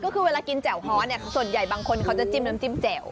ก็คือเวลากินแจ่วฮ้อเนี่ยส่วนใหญ่บางคนเขาจะจิ้มน้ำจิ้มแจ่ว